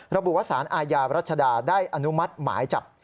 ระบุว่าสารอาญารัชดาได้อนุมัติหมายจับ